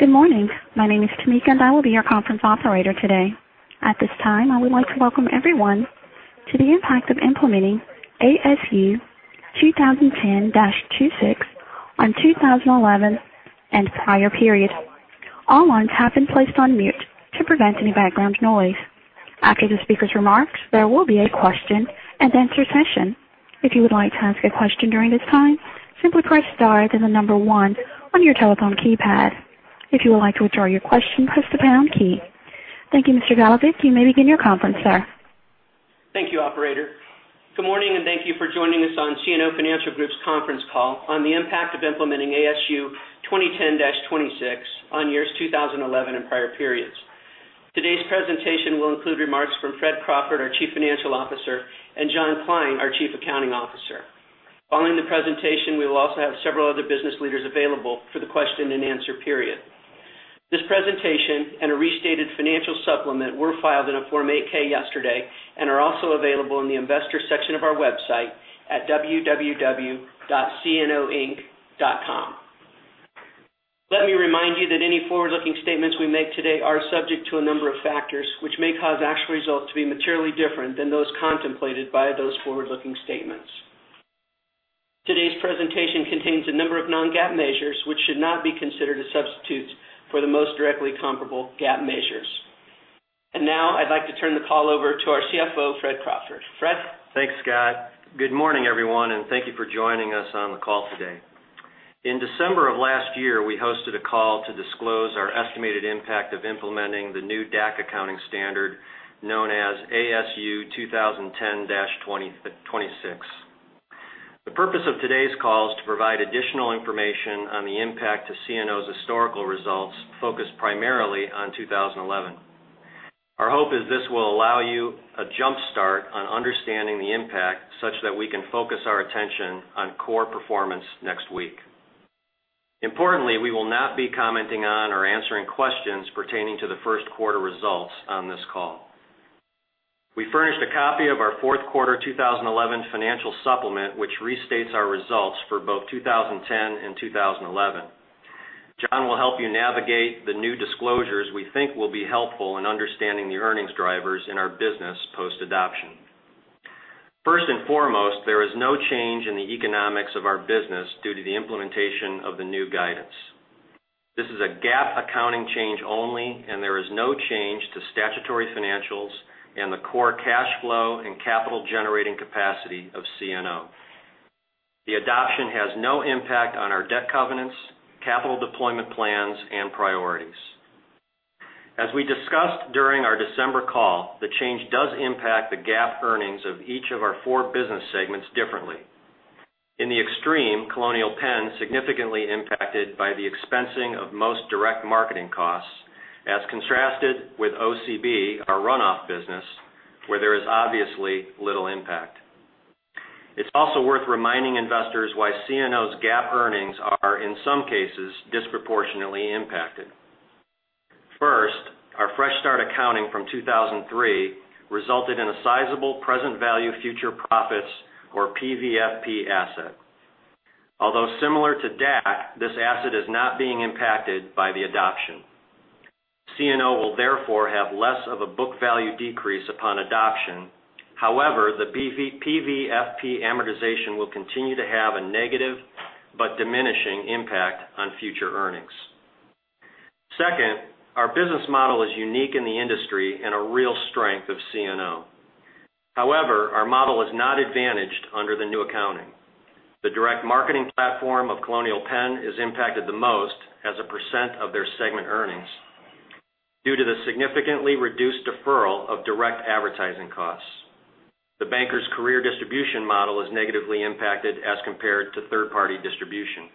Good morning. My name is Tamika, and I will be your conference operator today. At this time, I would like to welcome everyone to the impact of implementing ASU 2010-26 on 2011 and prior period. All lines have been placed on mute to prevent any background noise. After the speaker's remarks, there will be a question-and-answer session. If you would like to ask a question during this time, simply press star, then the number one on your telephone keypad. If you would like to withdraw your question, press the pound key. Thank you, Mr. Goldberg. You may begin your conference, sir. Thank you, operator. Good morning, and thank you for joining us on CNO Financial Group's conference call on the impact of implementing ASU 2010-26 on years 2011 and prior periods. Today's presentation will include remarks from Fred Crawford, our Chief Financial Officer, and John Kline, our Chief Accounting Officer. Following the presentation, we will also have several other business leaders available for the question-and-answer period. This presentation and a restated financial supplement were filed in a Form 8-K yesterday and are also available in the investor section of our website at www.cnoinc.com. Let me remind you that any forward-looking statements we make today are subject to a number of factors which may cause actual results to be materially different than those contemplated by those forward-looking statements. Today's presentation contains a number of non-GAAP measures which should not be considered as substitutes for the most directly comparable GAAP measures. Now I'd like to turn the call over to our CFO, Fred Crawford. Fred? Thanks, Scott. Good morning, everyone, and thank you for joining us on the call today. In December of last year, we hosted a call to disclose our estimated impact of implementing the new DAC accounting standard known as ASU 2010-26. The purpose of today's call is to provide additional information on the impact to CNO's historical results, focused primarily on 2011. Our hope is this will allow you a jump start on understanding the impact such that we can focus our attention on core performance next week. Importantly, we will not be commenting on or answering questions pertaining to the first quarter results on this call. We furnished a copy of our fourth quarter 2011 financial supplement, which restates our results for both 2010 and 2011. John will help you navigate the new disclosures we think will be helpful in understanding the earnings drivers in our business post-adoption. First and foremost, there is no change in the economics of our business due to the implementation of the new guidance. This is a GAAP accounting change only, and there is no change to statutory financials and the core cash flow and capital-generating capacity of CNO. The adoption has no impact on our debt covenants, capital deployment plans, and priorities. As we discussed during our December call, the change does impact the GAAP earnings of each of our four business segments differently. In the extreme, Colonial Penn significantly impacted by the expensing of most direct marketing costs, as contrasted with OCB, our runoff business, where there is obviously little impact. It's also worth reminding investors why CNO's GAAP earnings are, in some cases, disproportionately impacted. First, our fresh start accounting from 2003 resulted in a sizable present value future profits or PVFP asset. Although similar to DAC, this asset is not being impacted by the adoption. CNO will therefore have less of a book value decrease upon adoption. However, the PVFP amortization will continue to have a negative but diminishing impact on future earnings. Second, our business model is unique in the industry and a real strength of CNO. However, our model is not advantaged under the new accounting. The direct marketing platform of Colonial Penn is impacted the most as a percent of their segment earnings due to the significantly reduced deferral of direct advertising costs. The Bankers Life's career distribution model is negatively impacted as compared to third-party distribution.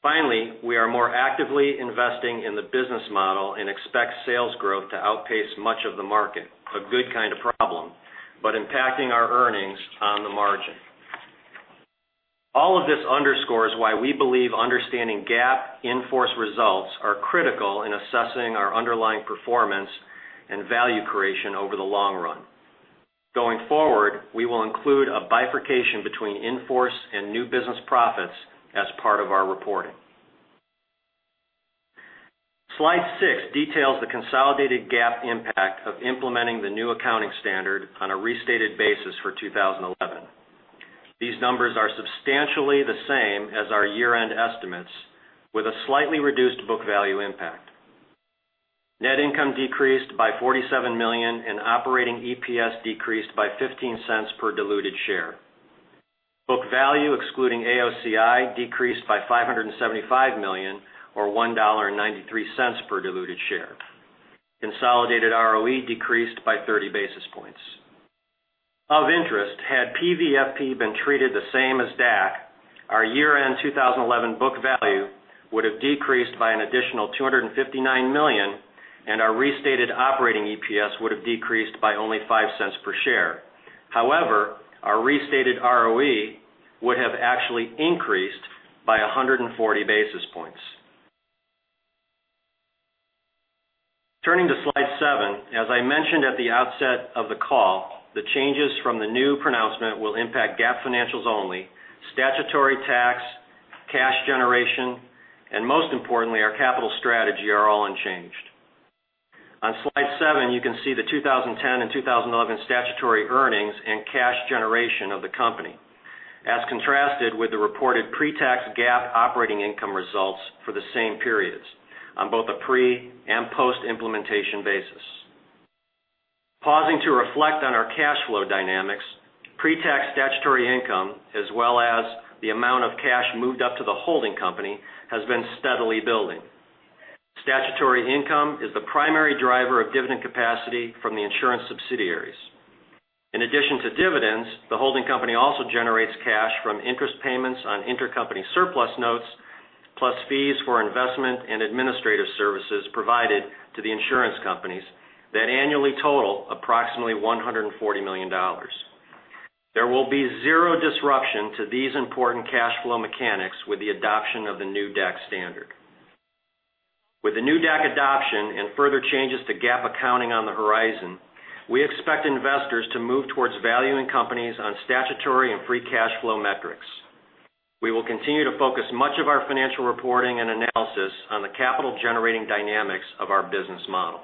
Finally, we are more actively investing in the business model and expect sales growth to outpace much of the market. A good kind of problem, but impacting our earnings on the margin. All of this underscores why we believe understanding GAAP in-force results are critical in assessing our underlying performance and value creation over the long run. Going forward, we will include a bifurcation between in-force and new business profits as part of our reporting. Slide six details the consolidated GAAP impact of implementing the new accounting standard on a restated basis for 2011. These numbers are substantially the same as our year-end estimates, with a slightly reduced book value impact. Net income decreased by $47 million, and operating EPS decreased by $0.15 per diluted share. Book value, excluding AOCI, decreased by $575 million, or $1.93 per diluted share. Consolidated ROE decreased by 30 basis points. Of interest, had PVFP been treated the same as DAC, our year-end 2011 book value would have decreased by an additional $259 million, and our restated operating EPS would have decreased by only $0.05 per share. However, our restated ROE would have actually increased by 140 basis points. Turning to slide seven, as I mentioned at the outset of the call, the changes from the new pronouncement will impact GAAP financials only. Statutory tax, cash generation, and most importantly, our capital strategy are all unchanged. On slide seven, you can see the 2010 and 2011 statutory earnings and cash generation of the company, as contrasted with the reported pre-tax GAAP operating income results for the same periods on both a pre and post-implementation basis. Pausing to reflect on our cash flow dynamics, pre-tax statutory income, as well as the amount of cash moved up to the holding company, has been steadily building. Statutory income is the primary driver of dividend capacity from the insurance subsidiaries. In addition to dividends, the holding company also generates cash from interest payments on intercompany surplus notes, plus fees for investment and administrative services provided to the insurance companies that annually total approximately $140 million. There will be zero disruption to these important cash flow mechanics with the adoption of the new DAC standard. With the new DAC adoption and further changes to GAAP accounting on the horizon, we expect investors to move towards valuing companies on statutory and free cash flow metrics. We will continue to focus much of our financial reporting and analysis on the capital-generating dynamics of our business model.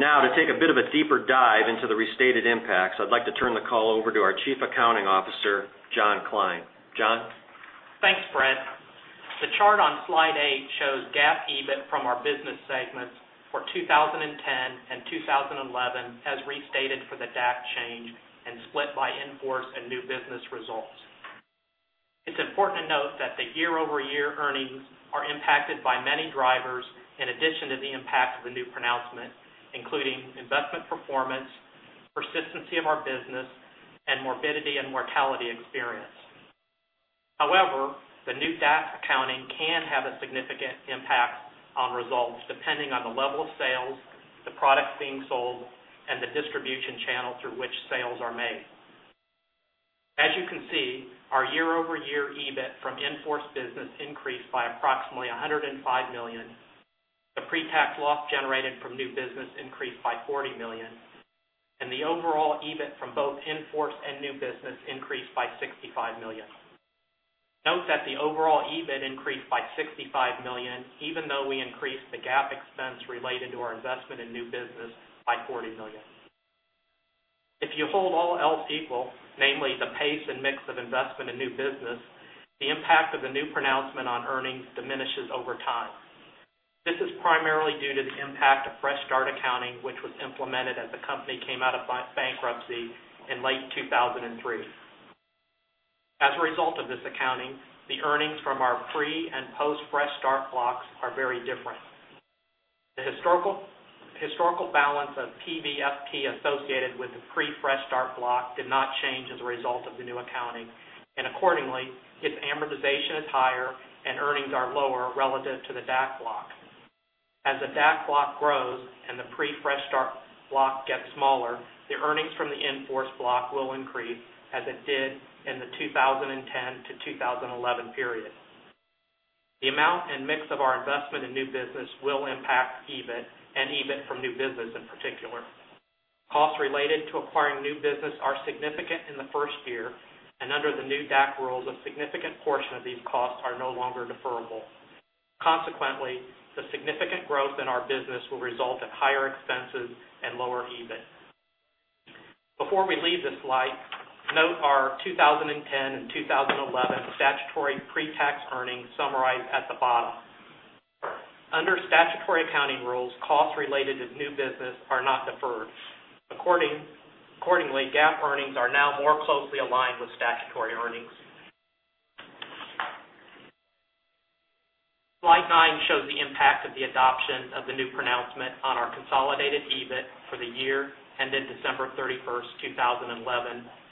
Now to take a bit of a deeper dive into the restated impacts, I'd like to turn the call over to our Chief Accounting Officer, John Kline. John? Thanks, Fred. The chart on slide eight shows GAAP EBIT from our business segments for 2010 and 2011 as restated for the DAC change and split by in-force and new business results. It's important to note that the year-over-year earnings are impacted by many drivers in addition to the impact of the new pronouncement, including investment performance, persistency of our business, and morbidity and mortality experience. However, the new DAC accounting can have a significant impact on results depending on the level of sales, the products being sold, and the distribution channel through which sales are made. As you can see, our year-over-year EBIT from in-force business increased by approximately $105 million. The pre-tax loss generated from new business increased by $40 million, and the overall EBIT from both in-force and new business increased by $65 million. Note that the overall EBIT increased by $65 million, even though we increased the GAAP expense related to our investment in new business by $40 million. If you hold all else equal, namely the pace and mix of investment in new business, the impact of the new pronouncement on earnings diminishes over time. This is primarily due to the impact of fresh start accounting, which was implemented as the company came out of bankruptcy in late 2003. As a result of this accounting, the earnings from our pre and post-fresh start blocks are very different. The historical balance of PVFP associated with the pre-fresh start block did not change as a result of the new accounting, and accordingly, its amortization is higher and earnings are lower relative to the DAC block. As the DAC block grows and the pre-fresh start block gets smaller, the earnings from the in-force block will increase as it did in the 2010-2011 period. The amount and mix of our investment in new business will impact EBIT and EBIT from new business in particular. Costs related to acquiring new business are significant in the first year, and under the new DAC rules, a significant portion of these costs are no longer deferrable. Consequently, the significant growth in our business will result in higher expenses and lower EBIT. Before we leave this slide, note our 2010 and 2011 statutory pre-tax earnings summarized at the bottom. Under statutory accounting rules, costs related to new business are not deferred. Accordingly, GAAP earnings are now more closely aligned with statutory earnings. Slide nine shows the impact of the adoption of the new pronouncement on our consolidated EBIT for the year ended December 31, 2011,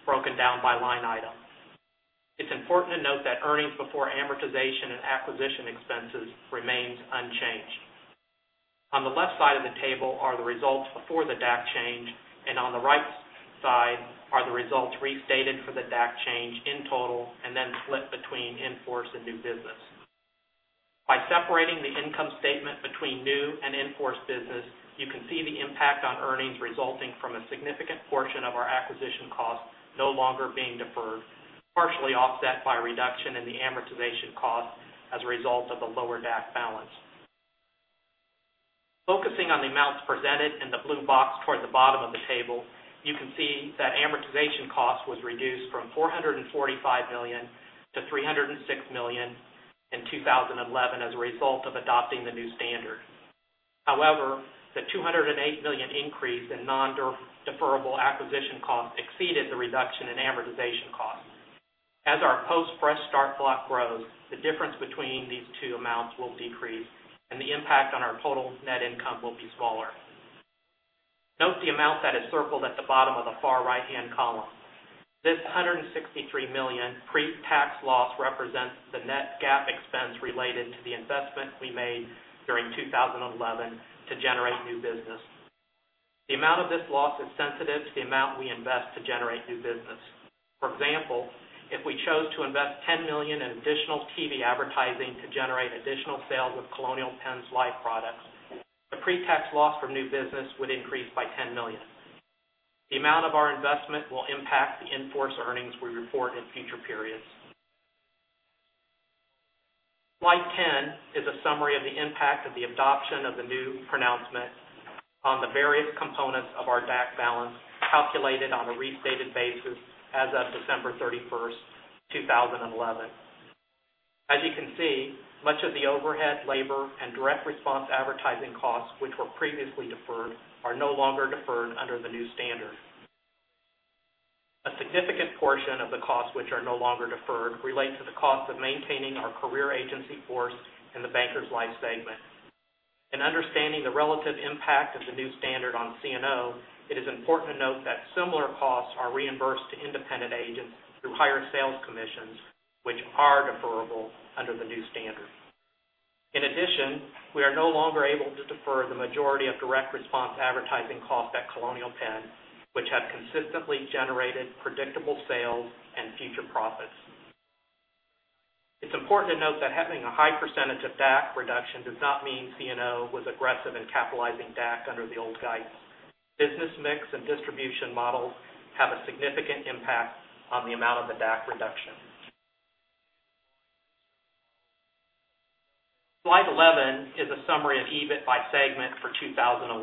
broken down by line item. It's important to note that earnings before amortization and acquisition expenses remains unchanged. On the left side of the table are the results before the DAC change, and on the right side are the results restated for the DAC change in total, and then split between in-force and new business. By separating the income statement between new and in-force business, you can see the impact on earnings resulting from a significant portion of our acquisition cost no longer being deferred, partially offset by a reduction in the amortization cost as a result of a lower DAC balance. Focusing on the amounts presented in the blue box toward the bottom of the table, you can see that amortization cost was reduced from $445 million to $306 million in 2011 as a result of adopting the new standard. However, the $208 million increase in non-deferrable acquisition costs exceeded the reduction in amortization costs. As our post-fresh start block grows, the difference between these two amounts will decrease, and the impact on our total net income will be smaller. Note the amount that is circled at the bottom of the far right-hand column. This $163 million pre-tax loss represents the net GAAP expense related to the investment we made during 2011. The amount of this loss is sensitive to the amount we invest to generate new business. For example, if we chose to invest $10 million in additional TV advertising to generate additional sales of Colonial Penn's life products, the pre-tax loss from new business would increase by $10 million. The amount of our investment will impact the in-force earnings we report in future periods. Slide 10 is a summary of the impact of the adoption of the new pronouncement on the various components of our DAC balance, calculated on a restated basis as of December 31, 2011. As you can see, much of the overhead labor and direct response advertising costs, which were previously deferred, are no longer deferred under the new standard. A significant portion of the costs which are no longer deferred relate to the cost of maintaining our career agency force in the Bankers Life segment. In understanding the relative impact of the new standard on CNO, it is important to note that similar costs are reimbursed to independent agents through higher sales commissions, which are deferrable under the new standard. In addition, we are no longer able to defer the majority of direct response advertising costs at Colonial Penn, which have consistently generated predictable sales and future profits. It's important to note that having a high percentage of DAC reduction does not mean CNO was aggressive in capitalizing DAC under the old guidance. Business mix and distribution models have a significant impact on the amount of the DAC reduction. Slide 11 is a summary of EBIT by segment for 2011. On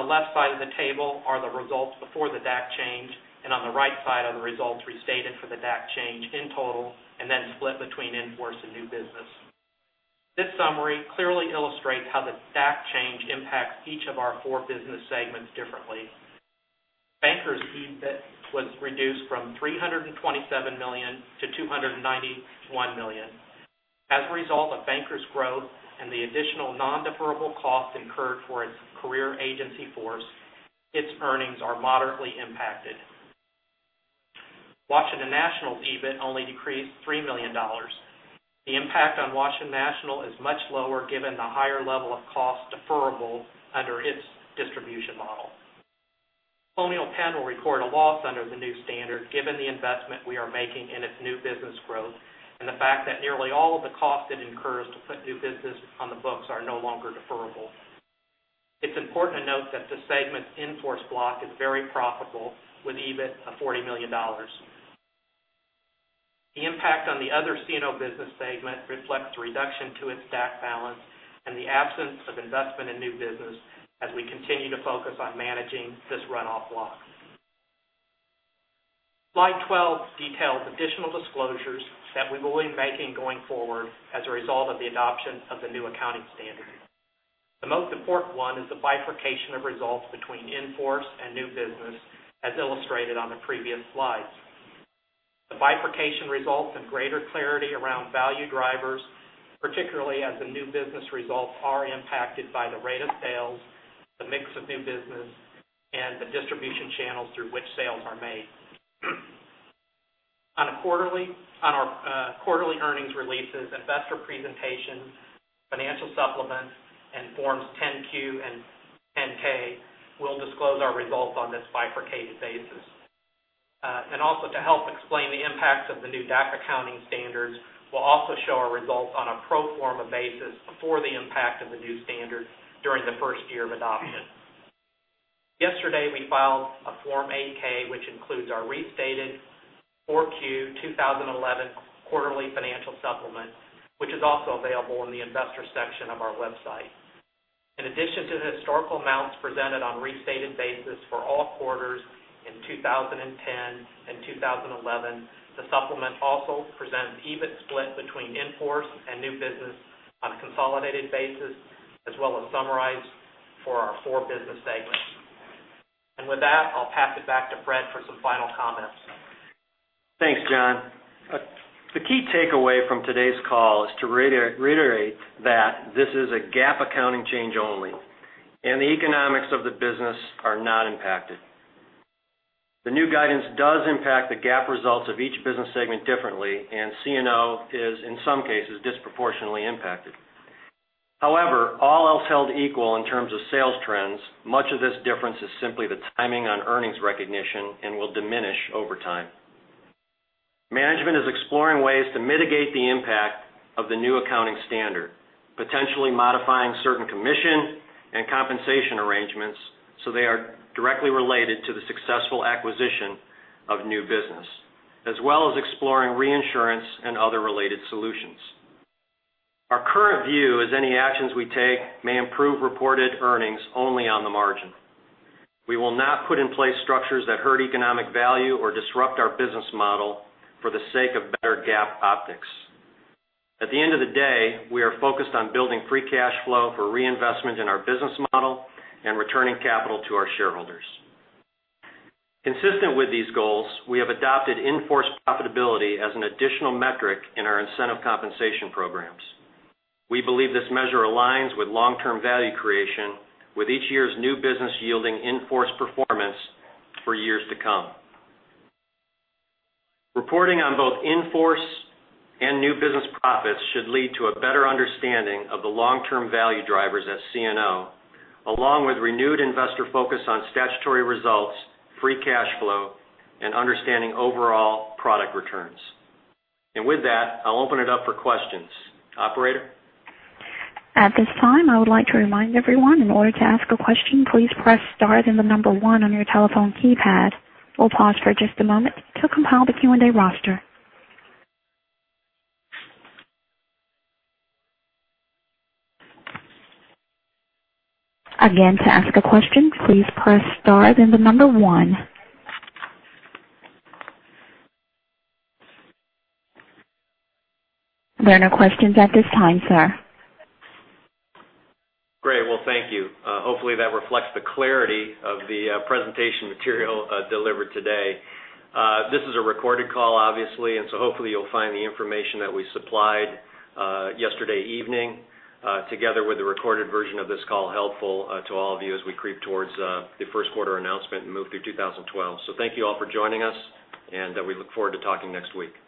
the left side of the table are the results before the DAC change, on the right side are the results restated for the DAC change in total, then split between in-force and new business. This summary clearly illustrates how the DAC change impacts each of our four business segments differently. Bankers Life EBIT was reduced from $327 million to $291 million. As a result of Bankers Life growth and the additional non-deferrable costs incurred for its career agency force, its earnings are moderately impacted. Washington National EBIT only decreased $3 million. The impact on Washington National is much lower given the higher level of cost deferrable under its distribution model. Colonial Penn will record a loss under the new standard given the investment we are making in its new business growth and the fact that nearly all of the costs it incurs to put new business on the books are no longer deferrable. It's important to note that the segment in-force block is very profitable with EBIT of $40 million. The impact on the Other CNO Business segment reflects a reduction to its DAC balance and the absence of investment in new business as we continue to focus on managing this runoff block. Slide 12 details additional disclosures that we will be making going forward as a result of the adoption of the new accounting standard. The most important one is the bifurcation of results between in-force and new business, as illustrated on the previous slides. The bifurcation results in greater clarity around value drivers, particularly as the new business results are impacted by the rate of sales, the mix of new business, and the distribution channels through which sales are made. On our quarterly earnings releases, investor presentations, financial supplements, Forms 10-Q and 10-K, we'll disclose our results on this bifurcated basis. Also to help explain the impacts of the new DAC accounting standards, we'll also show our results on a pro forma basis before the impact of the new standard during the first year of adoption. Yesterday, we filed a Form 8-K, which includes our restated 4-Q 2011 quarterly financial supplement, which is also available in the investor section of our website. In addition to the historical amounts presented on a restated basis for all quarters in 2010 and 2011, the supplement also presents EBIT split between in-force and new business on a consolidated basis, as well as summarized for our four business segments. With that, I'll pass it back to Fred for some final comments. Thanks, John. The key takeaway from today's call is to reiterate that this is a GAAP accounting change only, and the economics of the business are not impacted. The new guidance does impact the GAAP results of each business segment differently, and CNO is, in some cases, disproportionately impacted. All else held equal in terms of sales trends, much of this difference is simply the timing on earnings recognition and will diminish over time. Management is exploring ways to mitigate the impact of the new accounting standard, potentially modifying certain commission and compensation arrangements so they are directly related to the successful acquisition of new business, as well as exploring reinsurance and other related solutions. Our current view is any actions we take may improve reported earnings only on the margin. We will not put in place structures that hurt economic value or disrupt our business model for the sake of better GAAP optics. At the end of the day, we are focused on building free cash flow for reinvestment in our business model and returning capital to our shareholders. Consistent with these goals, we have adopted in-force profitability as an additional metric in our incentive compensation programs. We believe this measure aligns with long-term value creation with each year's new business yielding in-force performance for years to come. Reporting on both in-force and new business profits should lead to a better understanding of the long-term value drivers at CNO, along with renewed investor focus on statutory results, free cash flow, and understanding overall product returns. With that, I'll open it up for questions. Operator? At this time, I would like to remind everyone in order to ask a question, please press star then the number one on your telephone keypad. We'll pause for just a moment to compile the Q&A roster. Again, to ask a question, please press star then the number one. There are no questions at this time, sir. Great. Well, thank you. Hopefully, that reflects the clarity of the presentation material delivered today. This is a recorded call, obviously. Hopefully you'll find the information that we supplied yesterday evening, together with the recorded version of this call, helpful to all of you as we creep towards the first quarter announcement and move through 2012. Thank you all for joining us, and we look forward to talking next week